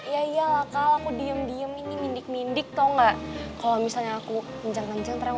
ya iyalah kalau aku diem diem ini mendek mendek tahu enggak kalau misalnya aku menjaga centang